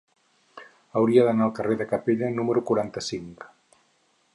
Hauria d'anar al carrer de Capella número quaranta-cinc.